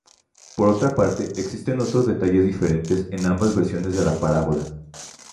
Por otra parte, existen otros detalles diferentes en ambas versiones de la parábola.